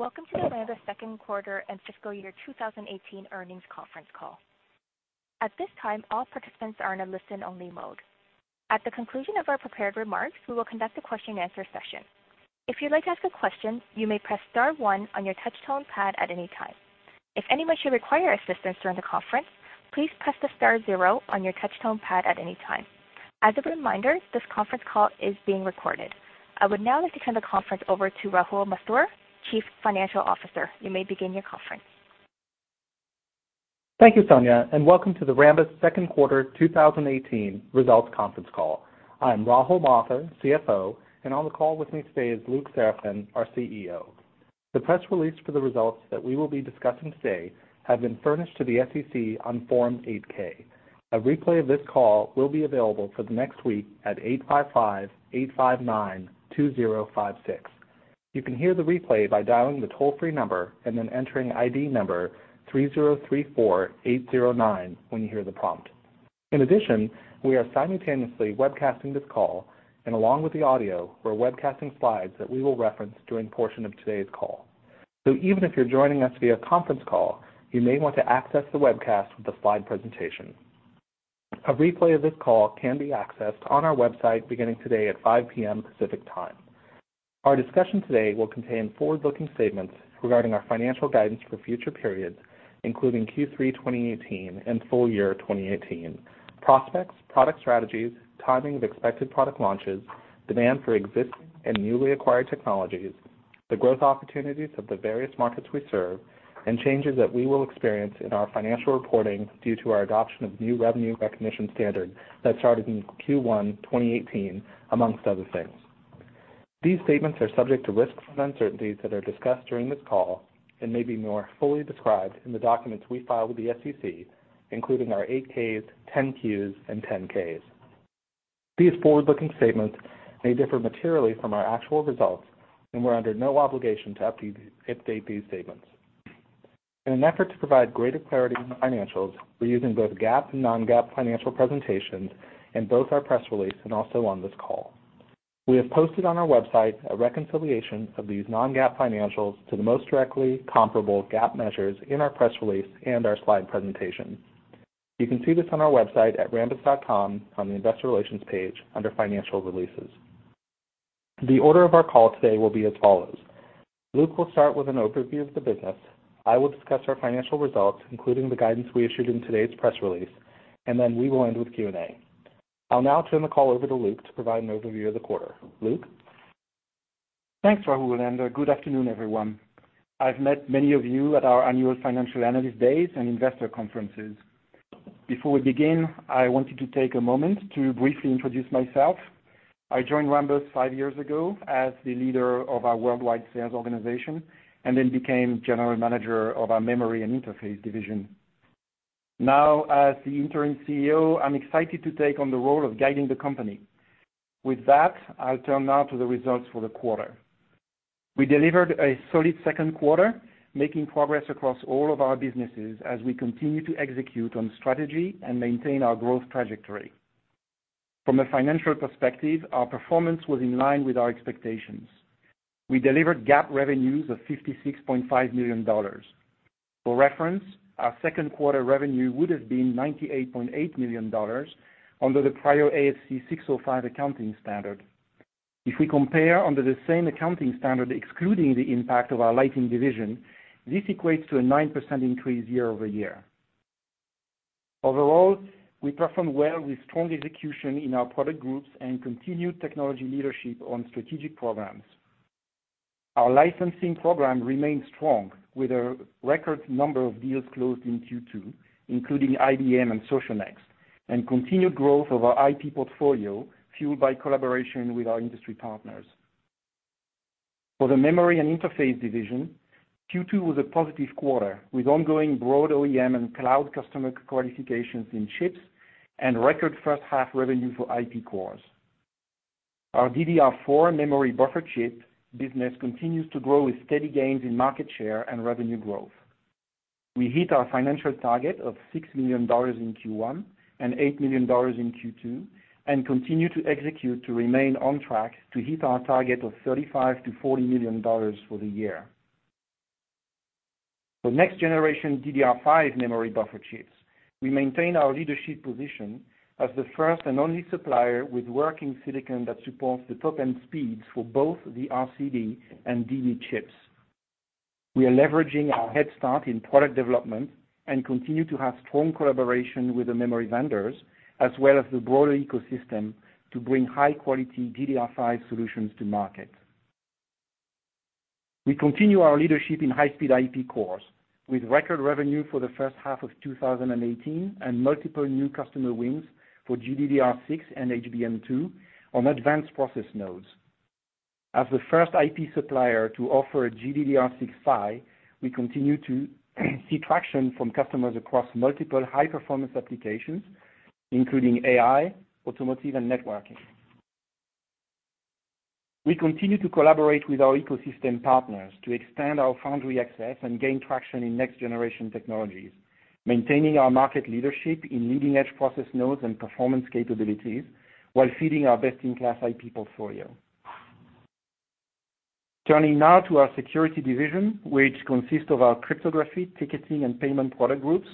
Welcome to the Rambus second quarter and fiscal year 2018 earnings conference call. At this time, all participants are in a listen-only mode. At the conclusion of our prepared remarks, we will conduct a question and answer session. If you'd like to ask a question, you may press star one on your touchtone pad at any time. If anyone should require assistance during the conference, please press the star zero on your touchtone pad at any time. As a reminder, this conference call is being recorded. I would now like to turn the conference over to Rahul Mathur, Chief Financial Officer. You may begin your conference. Thank you, Sonia, and welcome to the Rambus second quarter 2018 results conference call. I'm Rahul Mathur, CFO, and on the call with me today is Luc Seraphin, our CEO. The press release for the results that we will be discussing today have been furnished to the SEC on Form 8-K. A replay of this call will be available for the next week at 855-859-2056. You can hear the replay by dialing the toll-free number and then entering ID number 3034809 when you hear the prompt. In addition, we are simultaneously webcasting this call, and along with the audio, we're webcasting slides that we will reference during portion of today's call. Even if you're joining us via conference call, you may want to access the webcast with the slide presentation. A replay of this call can be accessed on our website beginning today at 5:00 P.M. Pacific Time. Our discussion today will contain forward-looking statements regarding our financial guidance for future periods, including Q3 2018 and full year 2018, prospects, product strategies, timing of expected product launches, demand for existing and newly acquired technologies, the growth opportunities of the various markets we serve, and changes that we will experience in our financial reporting due to our adoption of new revenue recognition standard that started in Q1 2018, amongst other things. These statements are subject to risks and uncertainties that are discussed during this call and may be more fully described in the documents we file with the SEC, including our 8-Ks, 10-Qs, and 10-Ks. These forward-looking statements may differ materially from our actual results, and we're under no obligation to update these statements. In an effort to provide greater clarity on the financials, we're using both GAAP and non-GAAP financial presentations in both our press release and also on this call. We have posted on our website a reconciliation of these non-GAAP financials to the most directly comparable GAAP measures in our press release and our slide presentation. You can see this on our website at rambus.com from the investor relations page under financial releases. The order of our call today will be as follows. Luc will start with an overview of the business. I will discuss our financial results, including the guidance we issued in today's press release, and then we will end with Q&A. I'll now turn the call over to Luc to provide an overview of the quarter. Luc? Thanks, Rahul, and good afternoon, everyone. I've met many of you at our annual financial analyst days and investor conferences. Before we begin, I wanted to take a moment to briefly introduce myself. I joined Rambus five years ago as the leader of our worldwide sales organization, and then became general manager of our memory and interface division. Now, as the interim CEO, I'm excited to take on the role of guiding the company. With that, I'll turn now to the results for the quarter. We delivered a solid second quarter, making progress across all of our businesses as we continue to execute on strategy and maintain our growth trajectory. From a financial perspective, our performance was in line with our expectations. We delivered GAAP revenues of $56.5 million. For reference, our second quarter revenue would've been $98.8 million under the prior ASC 605 accounting standard. If we compare under the same accounting standard, excluding the impact of our lighting division, this equates to a 9% increase year-over-year. Overall, we performed well with strong execution in our product groups and continued technology leadership on strategic programs. Our licensing program remains strong with a record number of deals closed in Q2, including IBM and Socionext, and continued growth of our IP portfolio, fueled by collaboration with our industry partners. For the memory and interface division, Q2 was a positive quarter, with ongoing broad OEM and cloud customer qualifications in chips and record first half revenue for IP cores. Our DDR4 memory buffer chip business continues to grow with steady gains in market share and revenue growth. We hit our financial target of $6 million in Q1 and $8 million in Q2, and continue to execute to remain on track to hit our target of $35 million-$40 million for the year. For next generation DDR5 memory buffer chips, we maintain our leadership position as the first and only supplier with working silicon that supports the top-end speeds for both the RCD and DB chips. We are leveraging our head start in product development and continue to have strong collaboration with the memory vendors, as well as the broader ecosystem, to bring high-quality DDR5 solutions to market. We continue our leadership in high-speed IP cores with record revenue for the first half of 2018 and multiple new customer wins for GDDR6 and HBM2 on advanced process nodes. As the first IP supplier to offer a GDDR6 phy, we continue to see traction from customers across multiple high-performance applications, including AI, automotive, and networking. We continue to collaborate with our ecosystem partners to expand our foundry access and gain traction in next-generation technologies. Maintaining our market leadership in leading-edge process nodes and performance capabilities, while feeding our best-in-class IP portfolio. Turning now to our security division, which consists of our cryptography, ticketing, and payment product groups.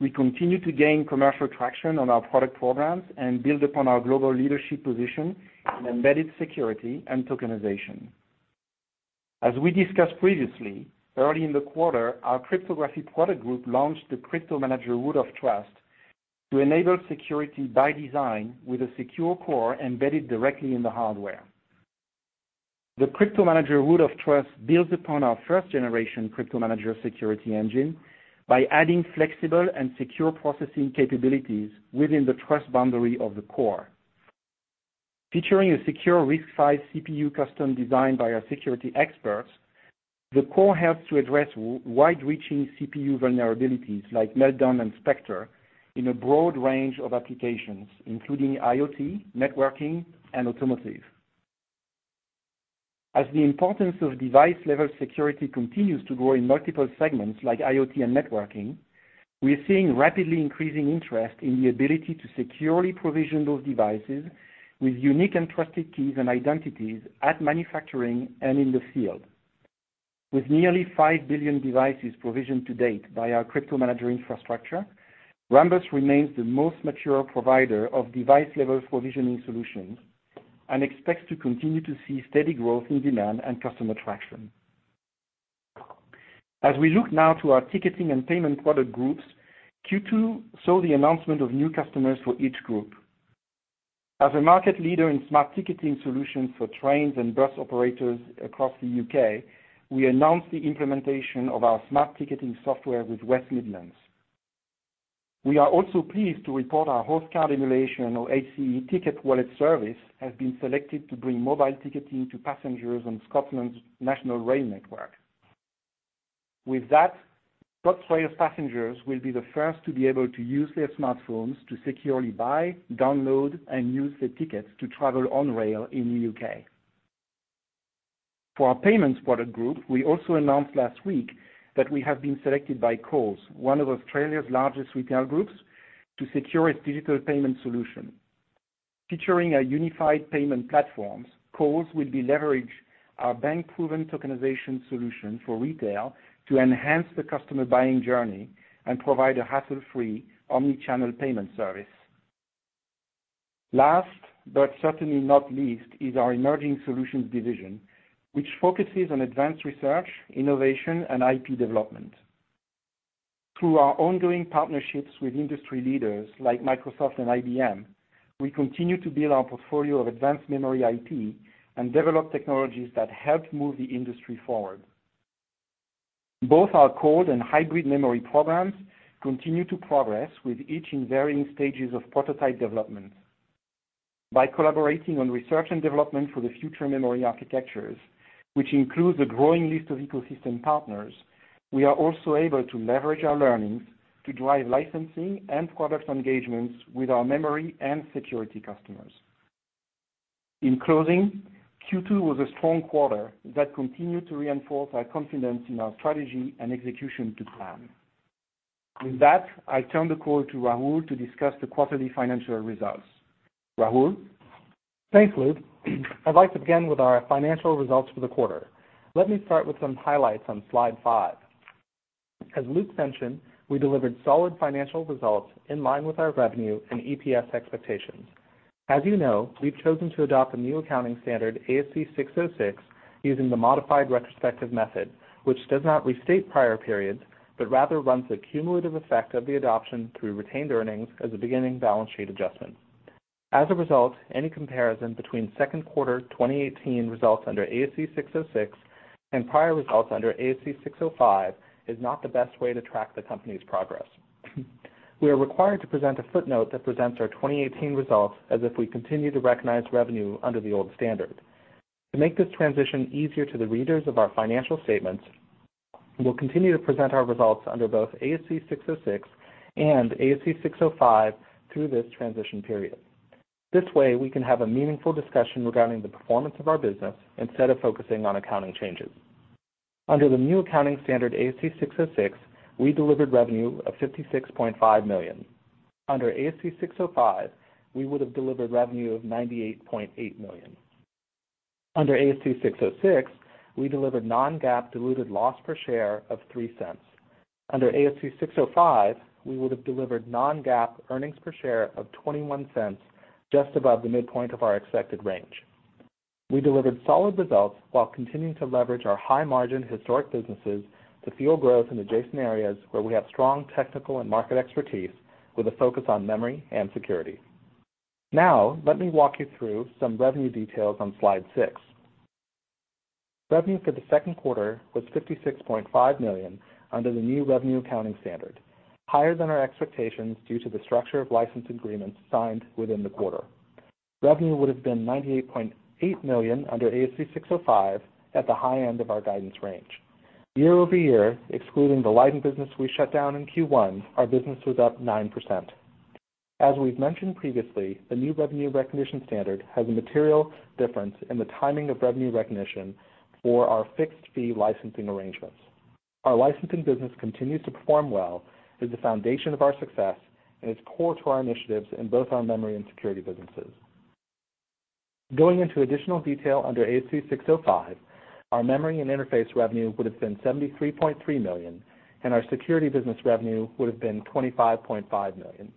We continue to gain commercial traction on our product programs and build upon our global leadership position in embedded security and tokenization. As we discussed previously, early in the quarter, our cryptography product group launched the CryptoManager Root of Trust to enable security by design with a secure core embedded directly in the hardware. The CryptoManager Root of Trust builds upon our first-generation CryptoManager security engine by adding flexible and secure processing capabilities within the trust boundary of the core. Featuring a secure RISC-V CPU custom designed by our security experts, the core helps to address wide-reaching CPU vulnerabilities like Meltdown and Spectre in a broad range of applications, including IoT, networking, and automotive. As the importance of device-level security continues to grow in multiple segments like IoT and networking, we are seeing rapidly increasing interest in the ability to securely provision those devices with unique and trusted keys and identities at manufacturing and in the field. With nearly 5 billion devices provisioned to date by our CryptoManager infrastructure, Rambus remains the most mature provider of device-level provisioning solutions and expects to continue to see steady growth in demand and customer traction. As we look now to our ticketing and payment product groups, Q2 saw the announcement of new customers for each group. As a market leader in smart ticketing solutions for trains and bus operators across the U.K., we announced the implementation of our smart ticketing software with West Midlands. We are also pleased to report our Host Card Emulation or HCE Ticket Wallet service has been selected to bring mobile ticketing to passengers on Scotland's national rail network. With that, ScotRail passengers will be the first to be able to use their smartphones to securely buy, download, and use their tickets to travel on rail in the U.K. For our payments product group, we also announced last week that we have been selected by Coles, one of Australia's largest retail groups, to secure its digital payment solution. Featuring a unified payment platform, Coles will be leverage our bank-proven tokenization solution for retail to enhance the customer buying journey and provide a hassle-free omni-channel payment service. Last, certainly not least, is our emerging solutions division, which focuses on advanced research, innovation, and IP development. Through our ongoing partnerships with industry leaders like Microsoft and IBM, we continue to build our portfolio of advanced memory IP and develop technologies that help move the industry forward. Both our code and hybrid memory programs continue to progress with each in varying stages of prototype development. By collaborating on research and development for the future memory architectures, which includes a growing list of ecosystem partners, we are also able to leverage our learnings to drive licensing and product engagements with our memory and security customers. In closing, Q2 was a strong quarter that continued to reinforce our confidence in our strategy and execution to plan. With that, I turn the call to Rahul to discuss the quarterly financial results. Rahul? Thanks, Luc. I'd like to begin with our financial results for the quarter. Let me start with some highlights on slide five. As Luc mentioned, we delivered solid financial results in line with our revenue and EPS expectations. As you know, we've chosen to adopt the new accounting standard, ASC 606, using the modified retrospective method, which does not restate prior periods, but rather runs the cumulative effect of the adoption through retained earnings as a beginning balance sheet adjustment. As a result, any comparison between second quarter 2018 results under ASC 606 and prior results under ASC 605 is not the best way to track the company's progress. We are required to present a footnote that presents our 2018 results as if we continue to recognize revenue under the old standard. To make this transition easier to the readers of our financial statements, we'll continue to present our results under both ASC 606 and ASC 605 through this transition period. This way, we can have a meaningful discussion regarding the performance of our business instead of focusing on accounting changes. Under the new accounting standard, ASC 606, we delivered revenue of $56.5 million. Under ASC 605, we would have delivered revenue of $98.8 million. Under ASC 606, we delivered non-GAAP diluted loss per share of $0.03. Under ASC 605, we would have delivered non-GAAP earnings per share of $0.21, just above the midpoint of our expected range. We delivered solid results while continuing to leverage our high-margin historic businesses to fuel growth in adjacent areas where we have strong technical and market expertise, with a focus on memory and security. Let me walk you through some revenue details on slide six. Revenue for the second quarter was $56.5 million under the new revenue accounting standard, higher than our expectations due to the structure of license agreements signed within the quarter. Revenue would have been $98.8 million under ASC 605 at the high end of our guidance range. Year-over-year, excluding the lighting business we shut down in Q1, our business was up 9%. As we've mentioned previously, the new revenue recognition standard has a material difference in the timing of revenue recognition for our fixed-fee licensing arrangements. Our licensing business continues to perform well, is the foundation of our success, and is core to our initiatives in both our memory and security businesses. Going into additional detail under ASC 605, our memory and interface revenue would have been $73.3 million, and our security business revenue would have been $25.5 million.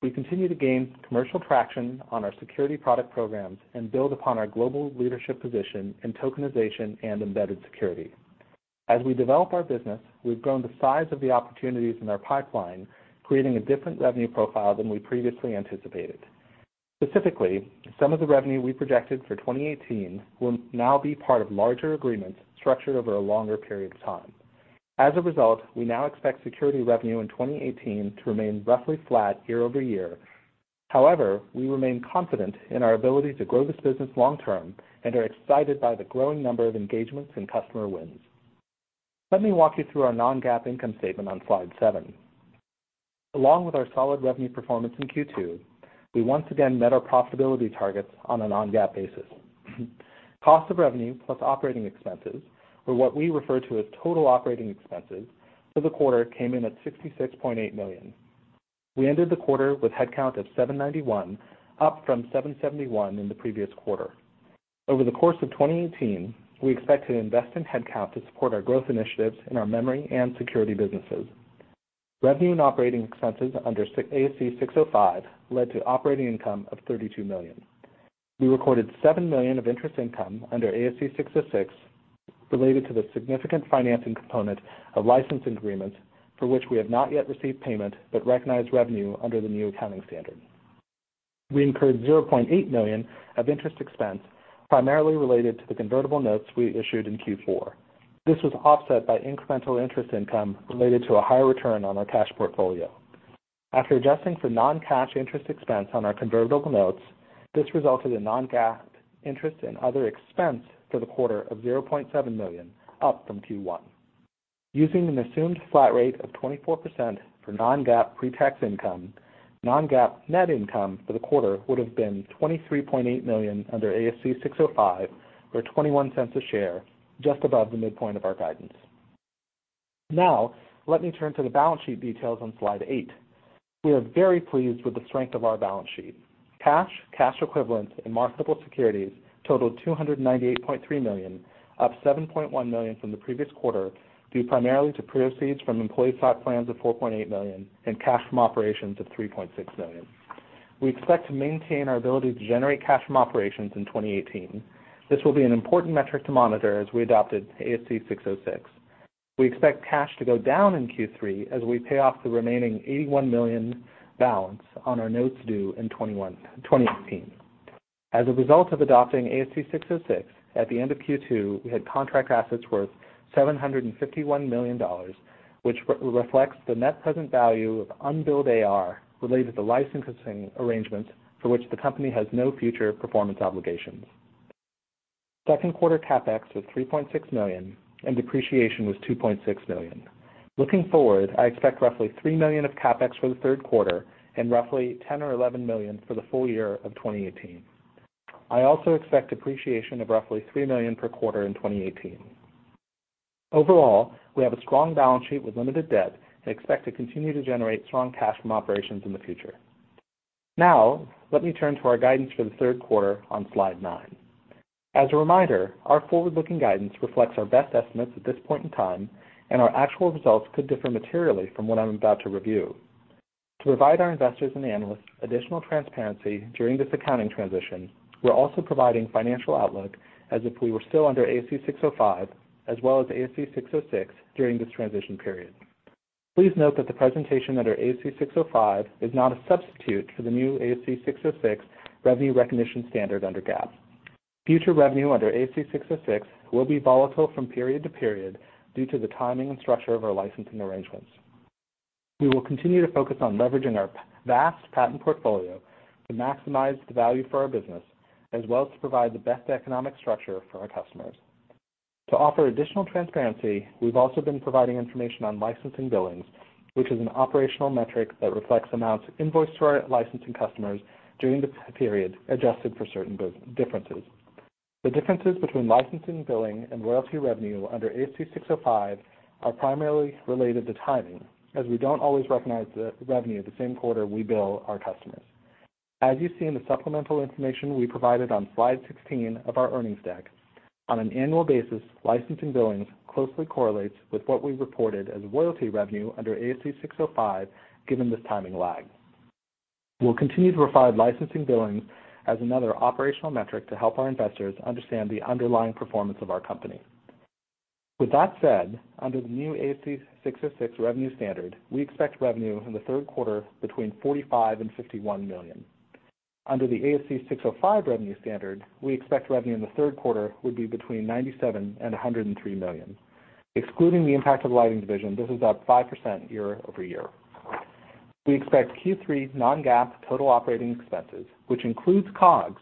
We continue to gain commercial traction on our security product programs and build upon our global leadership position in tokenization and embedded security. As we develop our business, we've grown the size of the opportunities in our pipeline, creating a different revenue profile than we previously anticipated. Specifically, some of the revenue we projected for 2018 will now be part of larger agreements structured over a longer period of time. As a result, we now expect security revenue in 2018 to remain roughly flat year-over-year. We remain confident in our ability to grow this business long term and are excited by the growing number of engagements and customer wins. Let me walk you through our non-GAAP income statement on slide seven. Along with our solid revenue performance in Q2, we once again met our profitability targets on a non-GAAP basis. Cost of revenue plus operating expenses, or what we refer to as total operating expenses, for the quarter came in at $66.8 million. We ended the quarter with headcount of 791, up from 771 in the previous quarter. Over the course of 2018, we expect to invest in headcount to support our growth initiatives in our memory and security businesses. Revenue and operating expenses under ASC 605 led to operating income of $32 million. We recorded $7 million of interest income under ASC 606 related to the significant financing component of licensing agreements for which we have not yet received payment but recognized revenue under the new accounting standard. We incurred $0.8 million of interest expense, primarily related to the convertible notes we issued in Q4. This was offset by incremental interest income related to a higher return on our cash portfolio. After adjusting for non-cash interest expense on our convertible notes, this resulted in non-GAAP interest and other expense for the quarter of $0.7 million, up from Q1. Using an assumed flat rate of 24% for non-GAAP pre-tax income, non-GAAP net income for the quarter would have been $23.8 million under ASC 605, or $0.21 a share, just above the midpoint of our guidance. Now, let me turn to the balance sheet details on slide eight. We are very pleased with the strength of our balance sheet. Cash, cash equivalents, and marketable securities totaled $298.3 million, up $7.1 million from the previous quarter, due primarily to proceeds from employee stock plans of $4.8 million and cash from operations of $3.6 million. We expect to maintain our ability to generate cash from operations in 2018. This will be an important metric to monitor as we adopted ASC 606. We expect cash to go down in Q3 as we pay off the remaining $81 million balance on our notes due in 2018. As a result of adopting ASC 606, at the end of Q2, we had contract assets worth $751 million, which reflects the net present value of unbilled AR related to licensing arrangements for which the company has no future performance obligations. Second quarter CapEx was $3.6 million and depreciation was $2.6 million. Looking forward, I expect roughly $3 million of CapEx for the third quarter and roughly $10 million or $11 million for the full year of 2018. I also expect depreciation of roughly $3 million per quarter in 2018. Overall, we have a strong balance sheet with limited debt and expect to continue to generate strong cash from operations in the future. Now, let me turn to our guidance for the third quarter on slide nine. As a reminder, our forward-looking guidance reflects our best estimates at this point in time, and our actual results could differ materially from what I'm about to review. To provide our investors and analysts additional transparency during this accounting transition, we're also providing financial outlook as if we were still under ASC 605 as well as ASC 606 during this transition period. Please note that the presentation under ASC 605 is not a substitute for the new ASC 606 revenue recognition standard under GAAP. Future revenue under ASC 606 will be volatile from period to period due to the timing and structure of our licensing arrangements. We will continue to focus on leveraging our vast patent portfolio to maximize the value for our business, as well as to provide the best economic structure for our customers. To offer additional transparency, we've also been providing information on licensing billings, which is an operational metric that reflects amounts invoiced to our licensing customers during the period, adjusted for certain differences. The differences between licensing billing and royalty revenue under ASC 605 are primarily related to timing, as we don't always recognize the revenue the same quarter we bill our customers. As you see in the supplemental information we provided on slide 16 of our earnings deck, on an annual basis, licensing billings closely correlates with what we reported as royalty revenue under ASC 605 given this timing lag. We'll continue to provide licensing billings as another operational metric to help our investors understand the underlying performance of our company. With that said, under the new ASC 606 revenue standard, we expect revenue in the third quarter between $45 million and $51 million. Under the ASC 605 revenue standard, we expect revenue in the third quarter would be between $97 million and $103 million. Excluding the impact of the lighting division, this is up 5% year-over-year. We expect Q3 non-GAAP total operating expenses, which includes COGS,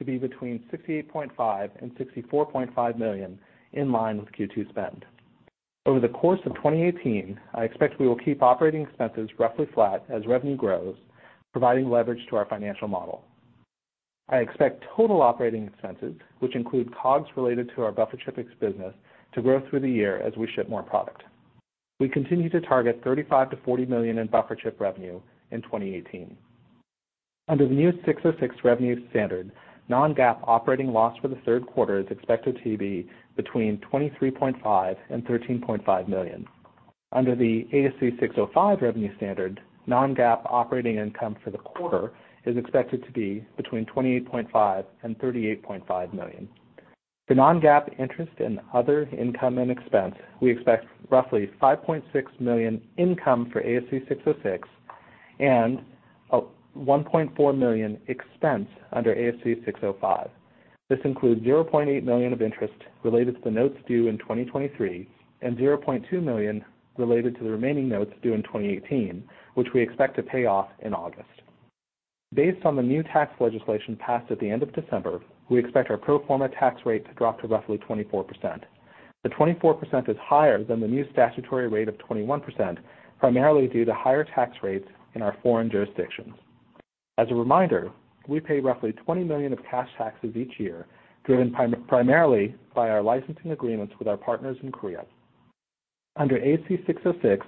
to be between $68.5 million and $64.5 million, in line with Q2 spend. Over the course of 2018, I expect we will keep operating expenses roughly flat as revenue grows, providing leverage to our financial model. I expect total operating expenses, which include COGS related to our Buffer Chip business, to grow through the year as we ship more product. We continue to target $35 million to $40 million in Buffer Chip revenue in 2018. Under the new ASC 606 revenue standard, non-GAAP operating loss for the third quarter is expected to be between $23.5 million and $13.5 million. Under the ASC 605 revenue standard, non-GAAP operating income for the quarter is expected to be between $28.5 million and $38.5 million. For non-GAAP interest in other income and expense, we expect roughly $5.6 million income for ASC 606 and $1.4 million expense under ASC 605. This includes $0.8 million of interest related to the notes due in 2023 and $0.2 million related to the remaining notes due in 2018, which we expect to pay off in August. Based on the new tax legislation passed at the end of December, we expect our pro forma tax rate to drop to roughly 24%. The 24% is higher than the new statutory rate of 21%, primarily due to higher tax rates in our foreign jurisdictions. As a reminder, we pay roughly $20 million of cash taxes each year, driven primarily by our licensing agreements with our partners in Korea. Under ASC 606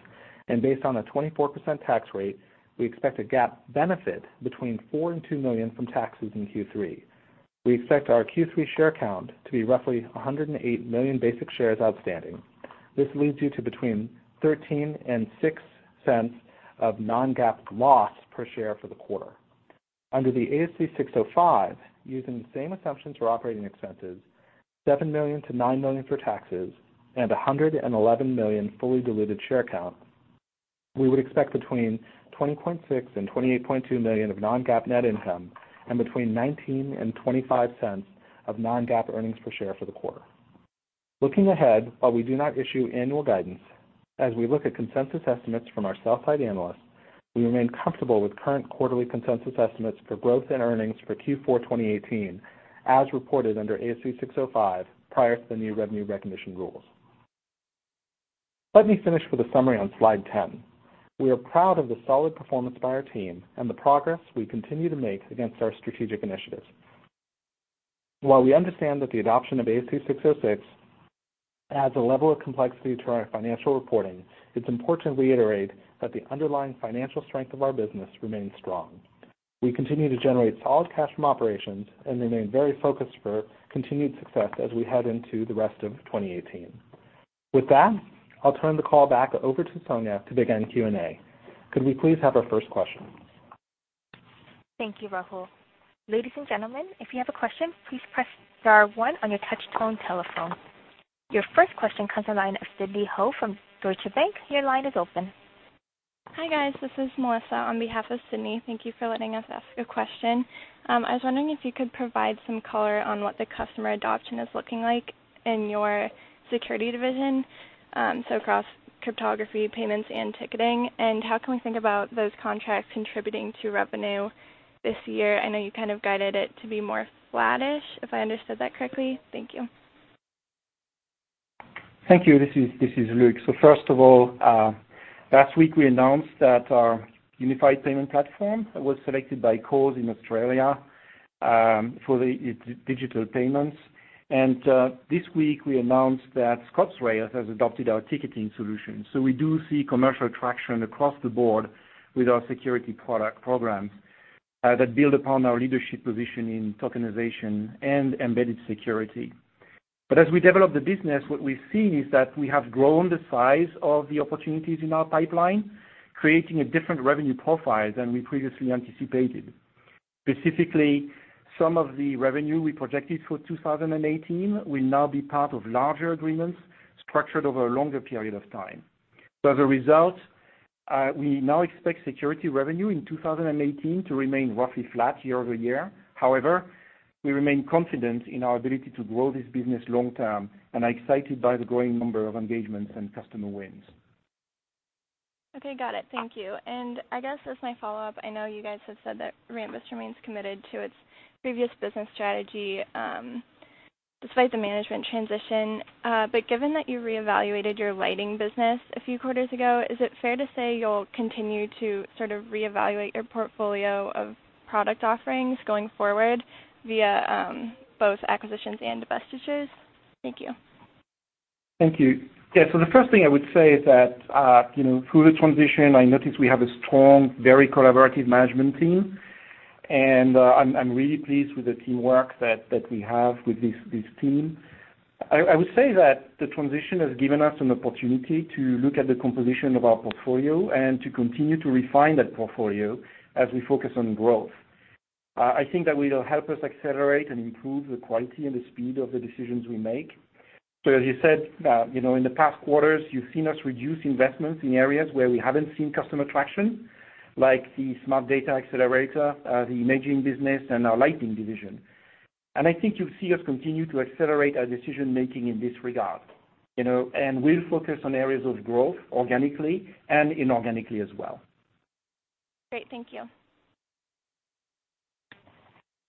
and based on a 24% tax rate, we expect a GAAP benefit between $4 million and $2 million from taxes in Q3. We expect our Q3 share count to be roughly 108 million basic shares outstanding. This leads you to between $0.13 and $0.06 of non-GAAP loss per share for the quarter. Under the ASC 605, using the same assumptions for operating expenses, $7 million to $9 million for taxes and 111 million fully diluted share count, we would expect between $20.6 million and $28.2 million of non-GAAP net income and between $0.19 and $0.25 of non-GAAP earnings per share for the quarter. Looking ahead, while we do not issue annual guidance, as we look at consensus estimates from our sell side analysts, we remain comfortable with current quarterly consensus estimates for growth and earnings for Q4 2018, as reported under ASC 605 prior to the new revenue recognition rules. Let me finish with a summary on slide 10. We are proud of the solid performance by our team and the progress we continue to make against our strategic initiatives. While we understand that the adoption of ASC 606 adds a level of complexity to our financial reporting, it's important to reiterate that the underlying financial strength of our business remains strong. We continue to generate solid cash from operations and remain very focused for continued success as we head into the rest of 2018. With that, I'll turn the call back over to Sonia to begin Q&A. Could we please have our first question? Thank you, Rahul. Ladies and gentlemen, if you have a question, please press star one on your touch-tone telephone. Your first question comes a line of Sidney Ho from Deutsche Bank. Your line is open. Hi, guys. This is Melissa on behalf of Sydney. Thank you for letting us ask a question. I was wondering if you could provide some color on what the customer adoption is looking like in your security division, so across cryptography, payments, and ticketing, and how can we think about those contracts contributing to revenue this year? I know you kind of guided it to be more flattish, if I understood that correctly. Thank you. Thank you. This is Luc. First of all, last week we announced that our unified payment platform was selected by Coles in Australia, for the digital payments. This week we announced that ScotRail has adopted our ticketing solution. We do see commercial traction across the board with our security product programs that build upon our leadership position in tokenization and embedded security. As we develop the business, what we see is that we have grown the size of the opportunities in our pipeline, creating a different revenue profile than we previously anticipated. Specifically, some of the revenue we projected for 2018 will now be part of larger agreements structured over a longer period of time. As a result, we now expect security revenue in 2018 to remain roughly flat year-over-year. However, we remain confident in our ability to grow this business long term and are excited by the growing number of engagements and customer wins. Okay. Got it. Thank you. I guess as my follow-up, I know you guys have said that Rambus remains committed to its previous business strategy, despite the management transition. Given that you reevaluated your lighting business a few quarters ago, is it fair to say you'll continue to sort of reevaluate your portfolio of product offerings going forward via both acquisitions and divestitures? Thank you. Thank you. Yeah. The first thing I would say is that, through the transition, I noticed we have a strong, very collaborative management team, and I'm really pleased with the teamwork that we have with this team. I would say that the transition has given us an opportunity to look at the composition of our portfolio and to continue to refine that portfolio as we focus on growth. I think that will help us accelerate and improve the quality and the speed of the decisions we make. As you said, in the past quarters, you've seen us reduce investments in areas where we haven't seen customer traction, like the Smart Data Acceleration, the imaging business, and our lighting division. I think you'll see us continue to accelerate our decision-making in this regard, and we'll focus on areas of growth organically and inorganically as well. Great. Thank you.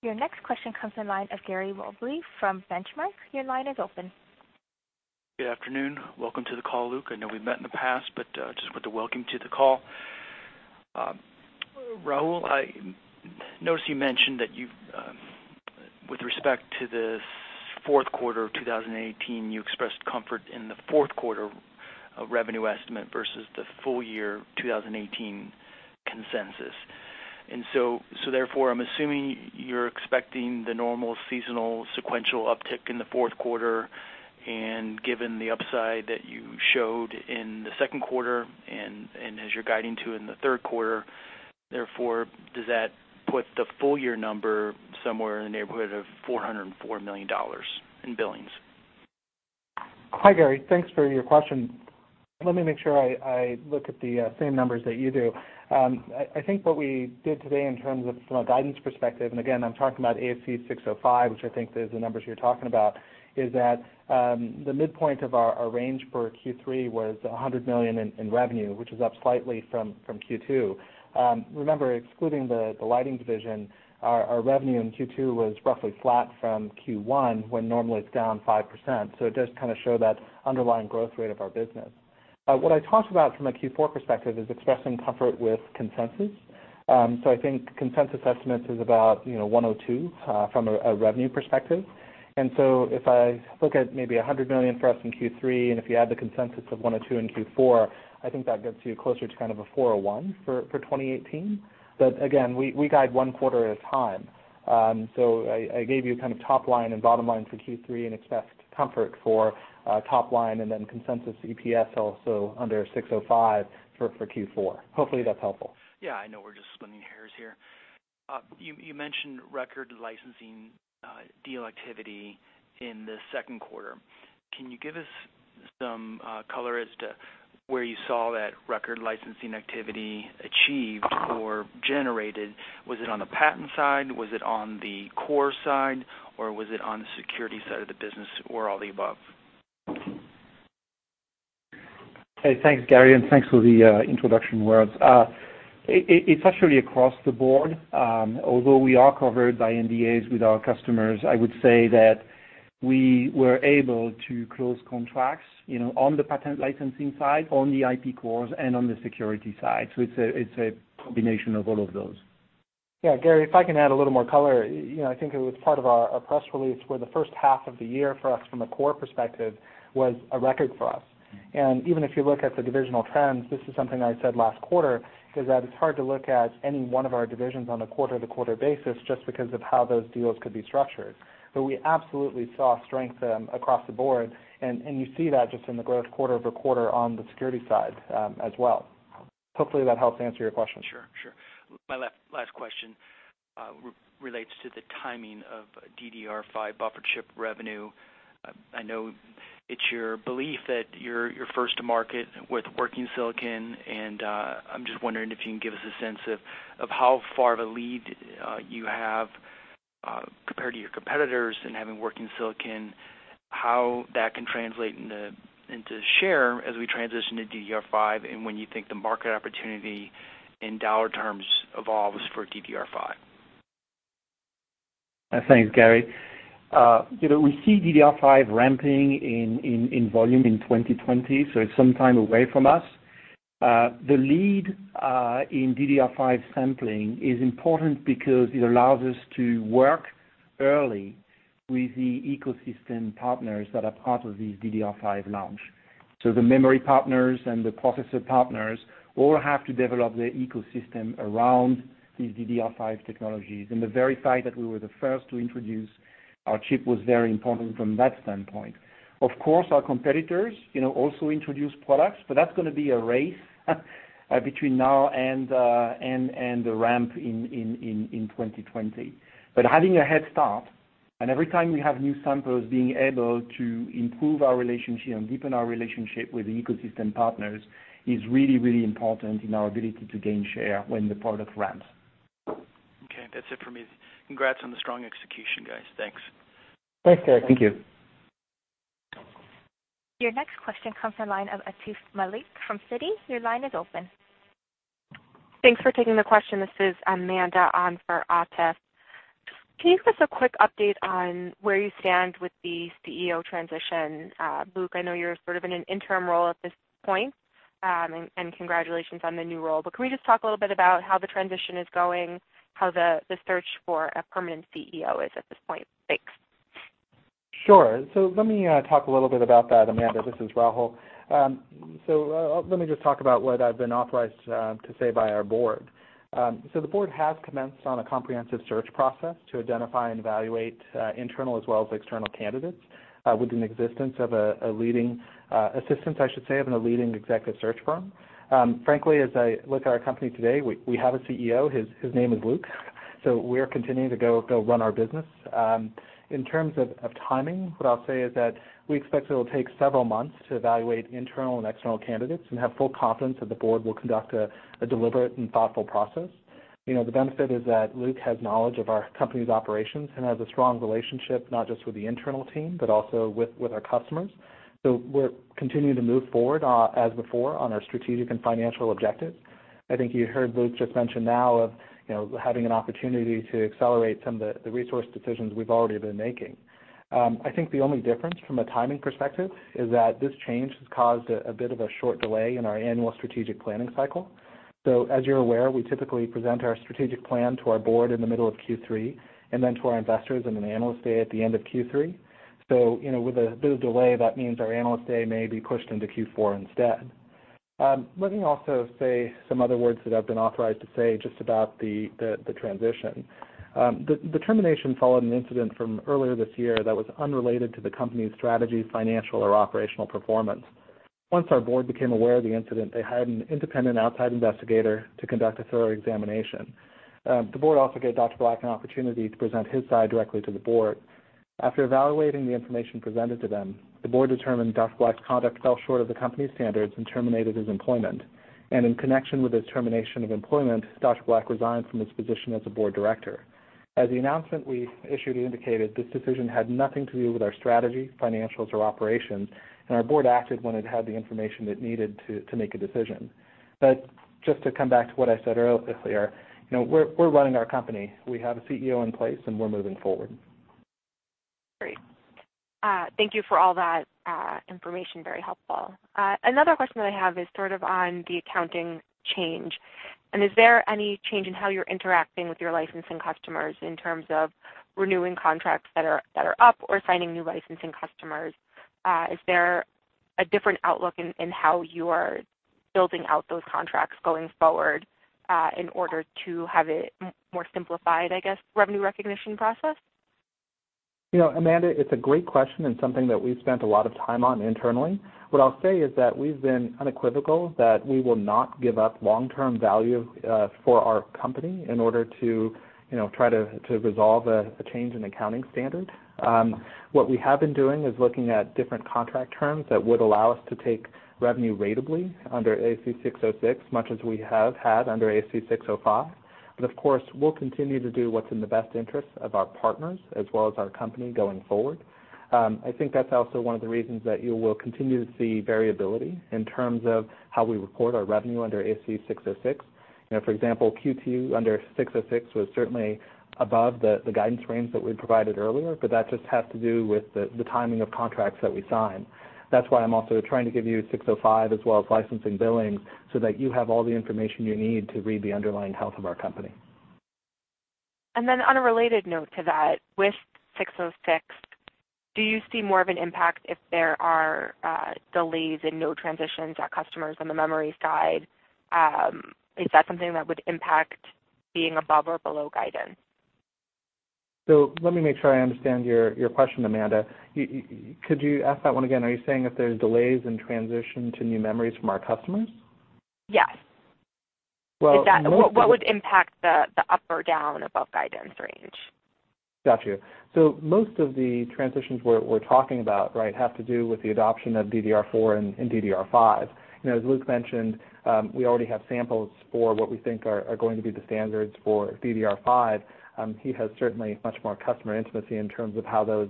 Your next question comes from the line of Gary Mobley from Benchmark. Your line is open. Good afternoon. Welcome to the call, Luc. I know we've met in the past, but just with the welcome to the call. Rahul, I noticed you mentioned that with respect to the fourth quarter of 2018, you expressed comfort in the fourth quarter of revenue estimate versus the full year 2018 consensus. Therefore, I'm assuming you're expecting the normal seasonal sequential uptick in the fourth quarter, and given the upside that you showed in the second quarter and as you're guiding to in the third quarter, therefore, does that put the full year number somewhere in the neighborhood of $404 million in billings? Hi, Gary. Thanks for your question. Let me make sure I look at the same numbers that you do. I think what we did today in terms of from a guidance perspective, and again, I'm talking about ASC 605, which I think is the numbers you're talking about, is that the midpoint of our range for Q3 was $100 million in revenue, which was up slightly from Q2. Remember, excluding the lighting division, our revenue in Q2 was roughly flat from Q1, when normally it's down 5%. It does kind of show that underlying growth rate of our business. What I talked about from a Q4 perspective is expressing comfort with consensus. I think consensus estimates is about $102 from a revenue perspective. If I look at maybe $100 million for us in Q3, if you add the consensus of $102 in Q4, I think that gets you closer to kind of a $401 for 2018. Again, we guide one quarter at a time. I gave you a kind of top line and bottom line for Q3 and expressed comfort for top line and then consensus EPS also under ASC 605 for Q4. Hopefully, that's helpful. I know we're just splitting hairs here. You mentioned record licensing deal activity in the second quarter. Can you give us some color as to where you saw that record licensing activity achieved or generated? Was it on the patent side, was it on the core side, or was it on the security side of the business, or all the above? Thanks, Gary, and thanks for the introduction words. It's actually across the board. Although we are covered by NDAs with our customers, I would say that we were able to close contracts on the patent licensing side, on the IP cores, and on the security side. It's a combination of all of those. Gary, if I can add a little more color. I think it was part of our press release where the first half of the year for us from a core perspective was a record for us. Even if you look at the divisional trends, this is something I said last quarter, is that it's hard to look at any one of our divisions on a quarter-to-quarter basis just because of how those deals could be structured. We absolutely saw strength across the board, and you see that just in the growth quarter-over-quarter on the security side as well. Hopefully that helps answer your question. Sure. My last question relates to the timing of DDR5 Buffer Chip revenue. I know it's your belief that you're first to market with working silicon, and I'm just wondering if you can give us a sense of how far of a lead you have compared to your competitors and having working silicon, how that can translate into share as we transition to DDR5, and when you think the market opportunity in dollar terms evolves for DDR5. Thanks, Gary. We see DDR5 ramping in volume in 2020. It's some time away from us. The lead in DDR5 sampling is important because it allows us to work early with the ecosystem partners that are part of the DDR5 launch. The memory partners and the processor partners all have to develop their ecosystem around these DDR5 technologies. The very fact that we were the first to introduce our chip was very important from that standpoint. Of course, our competitors also introduced products, that's going to be a race between now and the ramp in 2020. Having a head start, and every time we have new samples, being able to improve our relationship and deepen our relationship with the ecosystem partners is really, really important in our ability to gain share when the product ramps. Okay, that's it for me. Congrats on the strong execution, guys. Thanks. Thanks, Gary. Thank you. Your next question comes from the line of Atif Malik from Citi. Your line is open. Thanks for taking the question. This is Amanda on for Atif. Can you give us a quick update on where you stand with the CEO transition? Luc, I know you're sort of in an interim role at this point, and congratulations on the new role, but can we just talk a little bit about how the transition is going, how the search for a permanent CEO is at this point? Thanks. Sure. Let me talk a little bit about that, Amanda. This is Rahul. Let me just talk about what I've been authorized to say by our board. The board has commenced on a comprehensive search process to identify and evaluate internal as well as external candidates with assistance, I should say, of a leading executive search firm. Frankly, as I look at our company today, we have a CEO. His name is Luc, so we are continuing to go run our business. In terms of timing, what I'll say is that we expect it'll take several months to evaluate internal and external candidates and have full confidence that the board will conduct a deliberate and thoughtful process. The benefit is that Luc has knowledge of our company's operations and has a strong relationship not just with the internal team, but also with our customers. We're continuing to move forward as before on our strategic and financial objectives. I think you heard Luc just mention now of having an opportunity to accelerate some of the resource decisions we've already been making. I think the only difference from a timing perspective is that this change has caused a bit of a short delay in our annual strategic planning cycle. As you're aware, we typically present our strategic plan to our board in the middle of Q3, and then to our investors in an analyst day at the end of Q3. With a bit of delay, that means our analyst day may be pushed into Q4 instead. Let me also say some other words that I've been authorized to say just about the transition. The termination followed an incident from earlier this year that was unrelated to the company's strategy, financial, or operational performance. Once our board became aware of the incident, they hired an independent outside investigator to conduct a thorough examination. The board also gave Ron Black an opportunity to present his side directly to the board. After evaluating the information presented to them, the board determined Ron Black's conduct fell short of the company's standards and terminated his employment. In connection with his termination of employment, Ron Black resigned from his position as a board director. As the announcement we issued indicated, this decision had nothing to do with our strategy, financials, or operations, and our board acted when it had the information it needed to make a decision. Just to come back to what I said earlier, we're running our company. We have a CEO in place and we're moving forward. Great. Thank you for all that information. Very helpful. Another question that I have is sort of on the accounting change, is there any change in how you're interacting with your licensing customers in terms of renewing contracts that are up or signing new licensing customers? Is there a different outlook in how you are building out those contracts going forward, in order to have a more simplified, I guess, revenue recognition process? Amanda, it's a great question and something that we've spent a lot of time on internally. What I'll say is that we've been unequivocal that we will not give up long-term value for our company in order to try to resolve a change in accounting standard. What we have been doing is looking at different contract terms that would allow us to take revenue ratably under ASC 606, much as we have had under ASC 605. Of course, we'll continue to do what's in the best interest of our partners as well as our company going forward. I think that's also one of the reasons that you will continue to see variability in terms of how we report our revenue under ASC 606. For example, Q2 under 606 was certainly above the guidance range that we provided earlier, that just has to do with the timing of contracts that we sign. That's why I'm also trying to give you 605 as well as licensing billing, so that you have all the information you need to read the underlying health of our company. On a related note to that, with 606, do you see more of an impact if there are delays in node transitions at customers on the memory side? Is that something that would impact being above or below guidance? Let me make sure I understand your question, Amanda. Could you ask that one again? Are you saying if there's delays in transition to new memories from our customers? Yes. Well, What would impact the up or down above guidance range? Got you. Most of the transitions we're talking about have to do with the adoption of DDR4 and DDR5. As Luc mentioned, we already have samples for what we think are going to be the standards for DDR5. He has certainly much more customer intimacy in terms of how those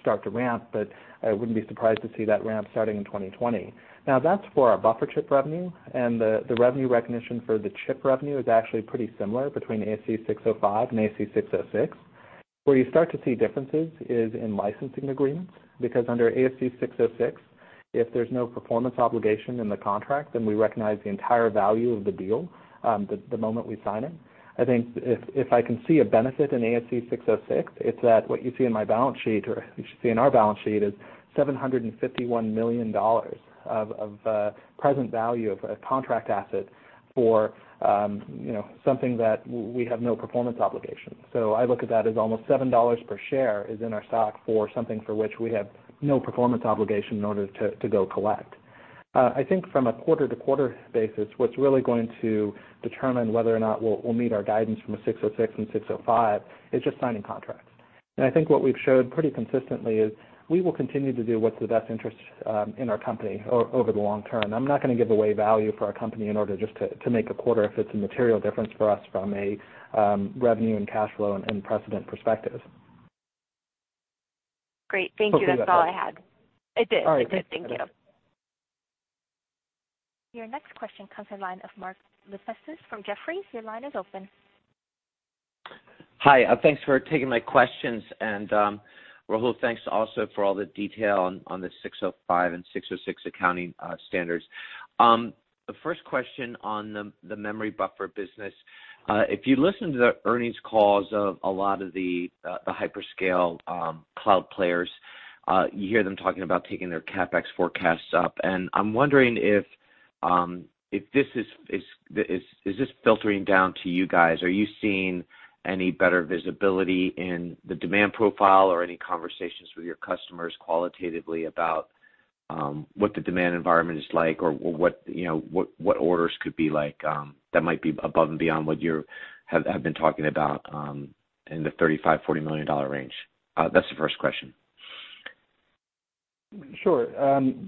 start to ramp, but I wouldn't be surprised to see that ramp starting in 2020. That's for our Buffer Chip revenue. The revenue recognition for the chip revenue is actually pretty similar between ASC 605 and ASC 606. Where you start to see differences is in licensing agreements, because under ASC 606, if there's no performance obligation in the contract, then we recognize the entire value of the deal the moment we sign it. I think if I can see a benefit in ASC 606, it's that what you see in my balance sheet, or you should see in our balance sheet, is $751 million of present value of contract asset for something that we have no performance obligation. I look at that as almost $7 per share is in our stock for something for which we have no performance obligation in order to go collect. I think from a quarter-to-quarter basis, what's really going to determine whether or not we'll meet our guidance from a 606 and 605 is just signing contracts. I think what we've showed pretty consistently is we will continue to do what's the best interest in our company over the long term. I'm not going to give away value for our company in order just to make a quarter if it's a material difference for us from a revenue and cash flow and precedent perspective. Great. Thank you. Hope that answered. That's all I had. It did. All right. Thank you. Your next question comes in line of Mark Lipacis from Jefferies. Your line is open. Hi. Thanks for taking my questions. Rahul, thanks also for all the detail on the 605 and 606 accounting standards. The first question on the memory buffer business. If you listen to the earnings calls of a lot of the hyperscale cloud players, you hear them talking about taking their CapEx forecasts up. I'm wondering if this is filtering down to you guys. Are you seeing any better visibility in the demand profile or any conversations with your customers qualitatively about what the demand environment is like or what orders could be like that might be above and beyond what you have been talking about in the $35 million-$40 million range? That's the first question. Sure.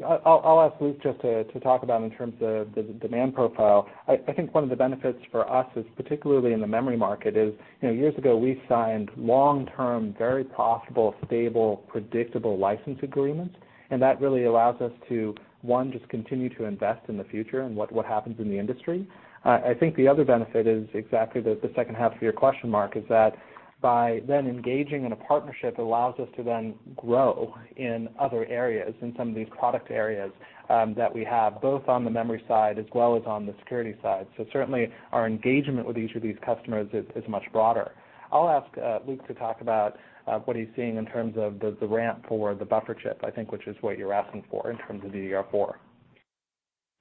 I'll ask Luc just to talk about in terms of the demand profile. I think one of the benefits for us is, particularly in the memory market, is years ago, we signed long-term, very profitable, stable, predictable license agreements. That really allows us to, one, just continue to invest in the future and what happens in the industry. I think the other benefit is exactly the second half of your question, Mark, is that by then engaging in a partnership allows us to then grow in other areas, in some of these product areas that we have, both on the memory side as well as on the security side. Certainly, our engagement with each of these customers is much broader. I'll ask Luc to talk about what he's seeing in terms of the ramp for the Buffer Chip, I think, which is what you're asking for in terms of DDR4.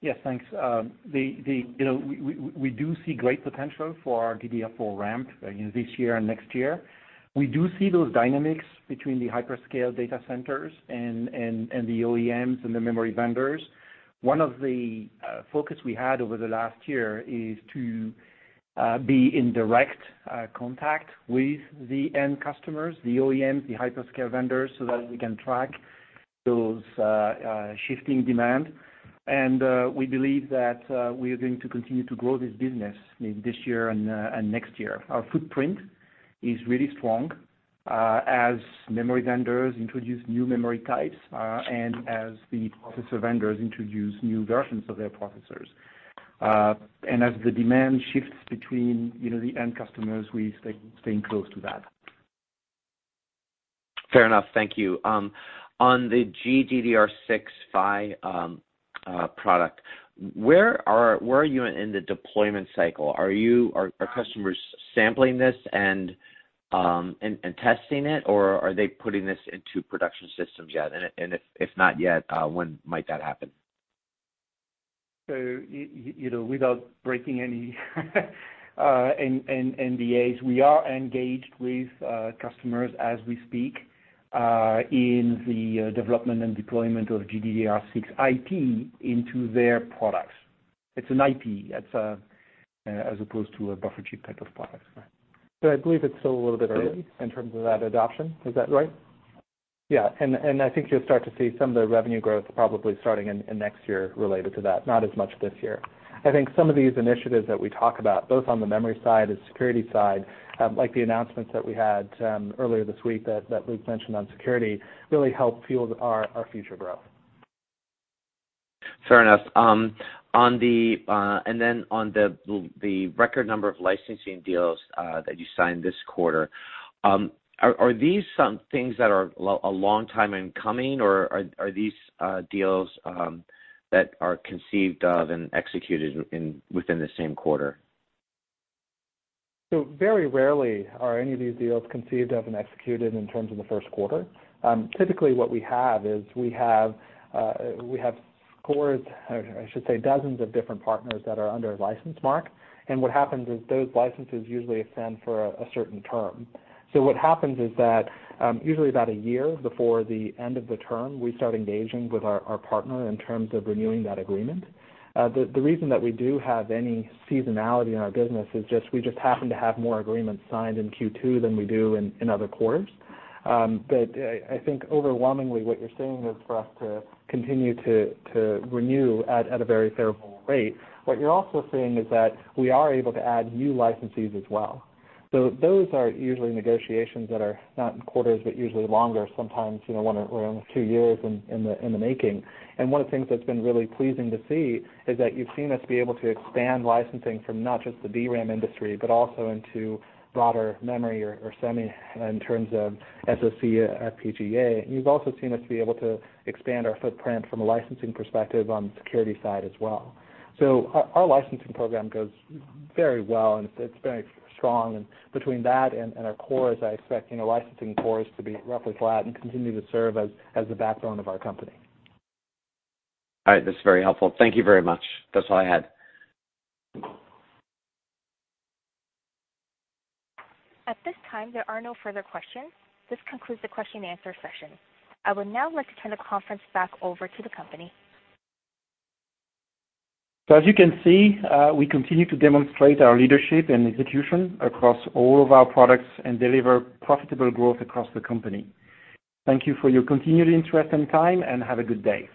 Yes, thanks. We do see great potential for our DDR4 ramp in this year and next year. We do see those dynamics between the hyperscale data centers and the OEMs and the memory vendors. One of the focus we had over the last year is to be in direct contact with the end customers, the OEMs, the hyperscale vendors, so that we can track those shifting demand. We believe that we are going to continue to grow this business in this year and next year. Our footprint is really strong as memory vendors introduce new memory types, and as the processor vendors introduce new versions of their processors. As the demand shifts between the end customers, we stay close to that. Fair enough. Thank you. On the GDDR6 PHY product, where are you in the deployment cycle? Are customers sampling this and testing it, or are they putting this into production systems yet? If not yet, when might that happen? Without breaking any NDAs, we are engaged with customers as we speak, in the development and deployment of GDDR6 IP into their products. It is an IP as opposed to a Buffer Chip type of product. I believe it's still a little bit early in terms of that adoption. Is that right? I think you'll start to see some of the revenue growth probably starting in next year related to that, not as much this year. I think some of these initiatives that we talk about, both on the memory side and security side, like the announcements that we had earlier this week that Luc mentioned on security, really help fuel our future growth. Fair enough. On the record number of licensing deals that you signed this quarter, are these some things that are a long time in coming, or are these deals that are conceived of and executed within the same quarter? Very rarely are any of these deals conceived of and executed in terms of the first quarter. Typically, what we have is we have scores, or I should say, dozens of different partners that are under a license, Mark. What happens is those licenses usually extend for a certain term. What happens is that, usually about a year before the end of the term, we start engaging with our partner in terms of renewing that agreement. The reason that we do have any seasonality in our business is just we just happen to have more agreements signed in Q2 than we do in other quarters. I think overwhelmingly what you're seeing is for us to continue to renew at a very favorable rate. What you're also seeing is that we are able to add new licensees as well. Those are usually negotiations that are not in quarters, but usually longer, sometimes around two years in the making. One of the things that's been really pleasing to see is that you've seen us be able to expand licensing from not just the DRAM industry, but also into broader memory or semi in terms of SoC FPGA. You've also seen us be able to expand our footprint from a licensing perspective on the security side as well. Our licensing program goes very well, and it's very strong. Between that and our core, I expect licensing for us to be roughly flat and continue to serve as the backbone of our company. All right. That's very helpful. Thank you very much. That's all I had. At this time, there are no further questions. This concludes the question and answer session. I would now like to turn the conference back over to the company. As you can see, we continue to demonstrate our leadership and execution across all of our products and deliver profitable growth across the company. Thank you for your continued interest and time, and have a good day.